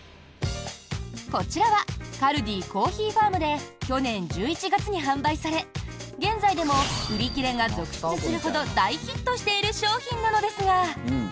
こちらはカルディコーヒーファームで去年１１月に販売され現在でも売り切れが続出するほど大ヒットしている商品なのですが。